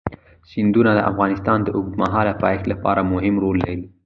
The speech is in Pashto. سیندونه د افغانستان د اوږدمهاله پایښت لپاره مهم رول لري.